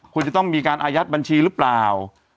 คุณจะต้องมีการอายัดบัญชีหรือเปล่า